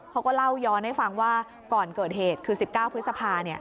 เขาก็เล่าย้อนให้ฟังว่าก่อนเกิดเหตุคือ๑๙พฤษภา